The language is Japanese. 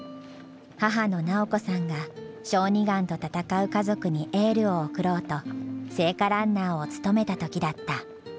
母の由子さんが小児がんと闘う家族にエールを送ろうと聖火ランナーを務めた時だった。